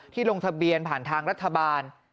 ลงทะเบียนผ่านทางรัฐบาล